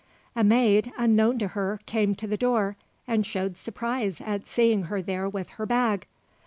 A maid, unknown to her, came to the door and showed surprise at seeing her there with her bag.